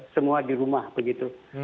semua di rumah begitu